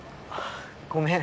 ごめん。